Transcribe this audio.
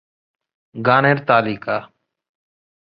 গানের তালিকাঃ